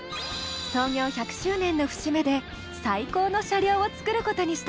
創業１００周年の節目で最高の車両を作ることにしたの。